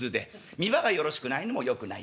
見場がよろしくないのもよくないってんですね。